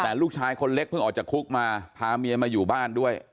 แต่ลูกชายคนเล็กเพิ่งออกจากคุกมาพาเมียมาอยู่บ้านด้วย